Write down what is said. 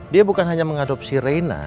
dia bukan hanya mengadopsi reina